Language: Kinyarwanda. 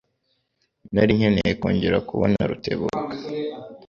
Nari nkeneye kongera kubona Rutebuka.